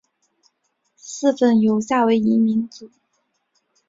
四份由夏威夷语名字组成的命名表正在使用。